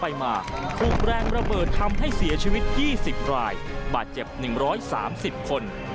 ไปมาถูกแรงระเบิดทำให้เสียชีวิต๒๐รายบาดเจ็บ๑๓๐คน